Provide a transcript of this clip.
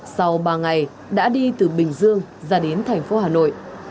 sau ba ngày đã đi từ bình dương ra đến thành phố hà nội